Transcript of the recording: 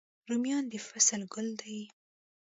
رومیان د فصل ګل دی